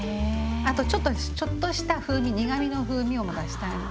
あとちょっとした風味苦みの風味も出したいので。